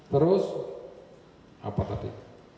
terus apa tadi